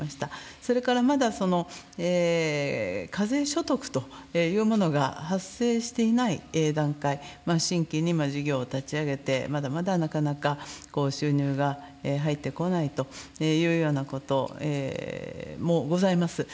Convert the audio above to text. それから、まだ、課税所得というものが発生していない段階、新規に今、事業を立ち上げて、まだまだなかなか収入が入ってこないというようなこともございます。